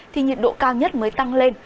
thì nhiệt độ cao nhất mới tăng lên